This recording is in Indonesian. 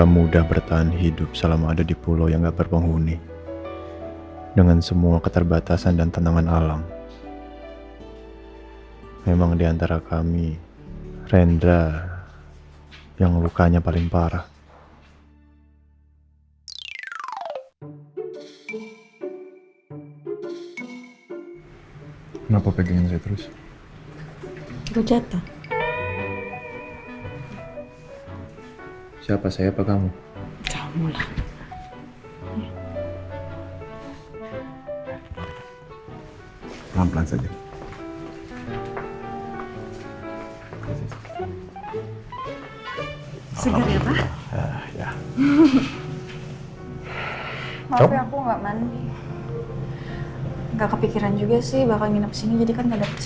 kamu tahu paham seharian apa yang terjadi sadece pertama kali iyi gak gitu pak